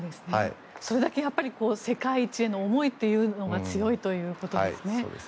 それだけ世界一への思いが強いということですね。